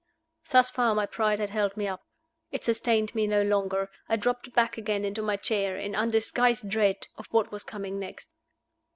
Thus far my pride had held me up. It sustained me no longer. I dropped back again into my chair, in undisguised dread of what was coming next.